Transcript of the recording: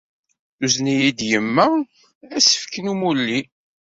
Tuzen-iyi-d yemma asefk n umulli.